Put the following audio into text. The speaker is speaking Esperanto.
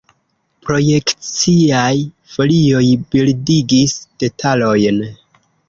Projekciaj folioj bildigis detalojn.